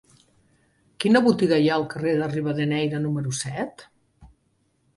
Quina botiga hi ha al carrer de Rivadeneyra número set?